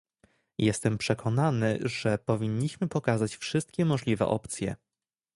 Jestem przekonany, że powinniśmy pokazać wszystkie możliwe opcje